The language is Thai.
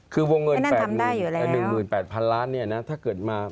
คือวงเงิน๑๘๐๐๐ล้านถ้าเกิดมา